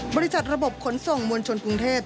บริษัทระบบขนส่งมวลชนกรุงเทพ